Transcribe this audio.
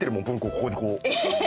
ここにこう。